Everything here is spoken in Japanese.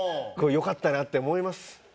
よかったなって思います。